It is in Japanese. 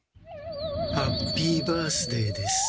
「ハッピー・バースデー」です。